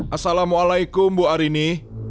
assalamualaikum bu arini